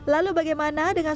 lalu bagaimana dengan